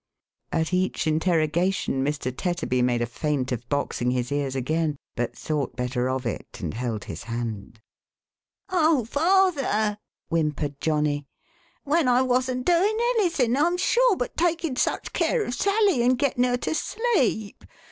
" At each interrogation, Mr. Tetterby made a feint of boxing his ears again, but thought better of it, and held his hand. "Oh, father!" whimpered Johnny, "when I wasn't doing anything, I'm sure, but taking such care of Sally, and getting her to sleep.